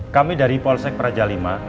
kami dari polsek praja v